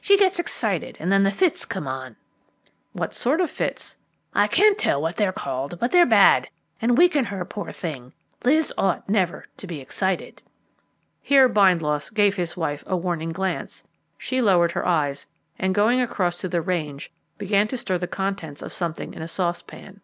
She gets excited, and then the fits come on." "What sort of fits?" "I can't tell what they are called, but they're bad, and weaken her, poor thing! Liz ought never to be excited." Here Bindloss gave his wife a warning glance; she lowered her eyes, and going across to the range, began to stir the contents of something in a saucepan.